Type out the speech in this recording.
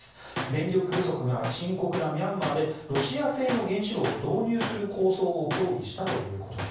電力不足が深刻なミャンマーでロシア製の原子炉を導入する構想を協議したということです。